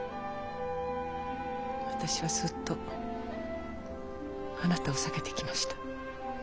私はずっとあなたを避けてきました。